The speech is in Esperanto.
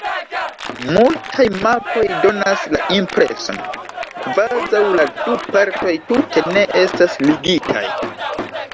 Multaj mapoj donas la impreson, kvazaŭ la du partoj tute ne estas ligitaj.